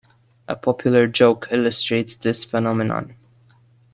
A popular joke illustrates this phenomenon.